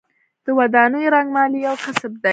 د ودانیو رنګمالي یو کسب دی